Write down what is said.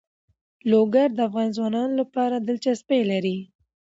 لوگر د افغان ځوانانو لپاره دلچسپي لري.